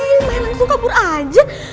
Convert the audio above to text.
hei langsung kabur aja